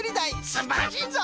すんばらしいぞい！